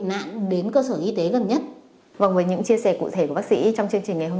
nạn đến cơ sở y tế gần nhất và với những chia sẻ cụ thể của bác sĩ trong chương trình ngày hôm